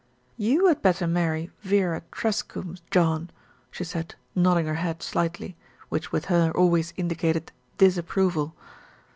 "You had better marry Vera Truscombe, John," she said, nodding her head slightly, which with her always indicated disapproval.